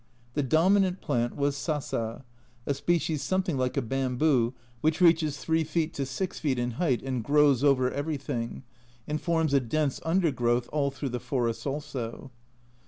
The dominant plant was Sasa, a species something like a bamboo, which reaches 3 feet to 6 feet in height, and grows over everything, and forms a dense undergrowth all through the forests also.